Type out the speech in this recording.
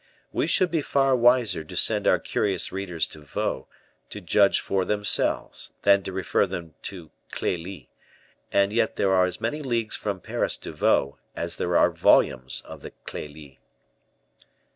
We should be far wiser to send our curious readers to Vaux to judge for themselves, than to refer them to "Clelie;" and yet there are as many leagues from Paris to Vaux, as there are volumes of the "Clelie."